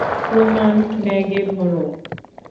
প্রমাণ ব্যাগে ভরো।